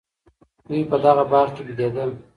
دوی په دغه باغ کي بېدېدل.